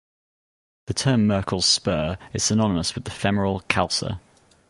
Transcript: The term "Merkel's spur" is synonymous with the femoral calcar.